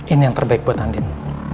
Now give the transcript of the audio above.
ini yang terbaik buat andin